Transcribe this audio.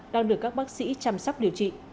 đang được các bác sĩ chăm sóc điều trị